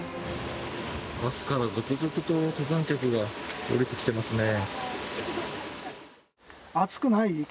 バスから続々と登山客が下りてきていますね。